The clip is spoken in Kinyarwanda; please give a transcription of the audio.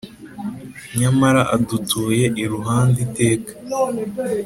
Nyamara adutuye iruhande iteka